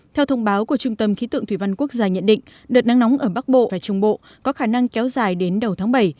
theo thông báo của trung tâm khí tượng thủy văn quốc gia nhận định đợt nắng nóng ở bắc bộ và trung bộ có khả năng kéo dài đến đầu tháng bảy